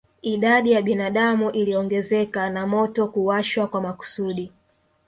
Idadi ya binadamu iliongezeka na moto kuwashwa kwa makusudi